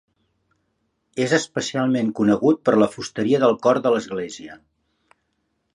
És especialment conegut per la fusteria del cor de l'església.